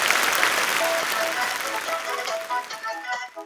这种化合物在较少的有机合成中作为氧化性试剂来使用。